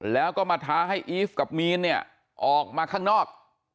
แล้วก็มาท้าให้อีฟกับมีนเนี่ยออกมาข้างนอก